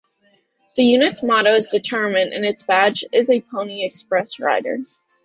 The unit's motto is "Determined" and its badge is a Pony Express Rider.